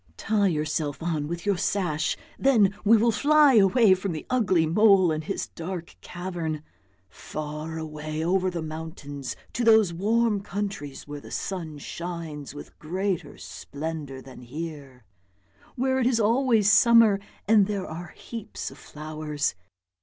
Tie yourself on with your sash, then we will fly away from the ugly mole and his dark cavern, far away over the mountains to those warm countries where the sun shines with greater splendour than here, where it is always summer and there are heaps of flowers.